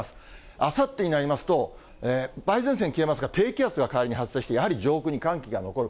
あさってになりますと、梅雨前線は消えますが、低気圧が代わりに発生して、やはり上空に寒気が残る。